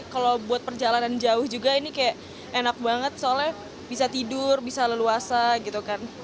kalau buat perjalanan jauh juga ini kayak enak banget soalnya bisa tidur bisa leluasa gitu kan